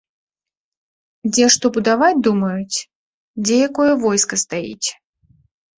Дзе што будаваць думаюць, дзе якое войска стаіць.